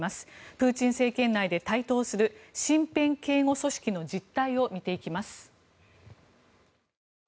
プーチン政権内で台頭する身辺警護組織の実態を見ていきます。